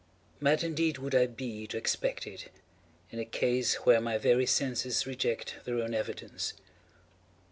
Mad indeed would I be to expect it, in a case where my very senses reject their own evidence.